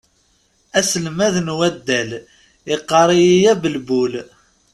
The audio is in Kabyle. Aselmad n waddal iɣɣar-iyi abelbul.